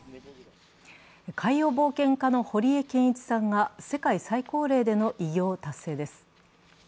海洋冒険家の堀江謙一さんが世界最高齢での偉業達成です。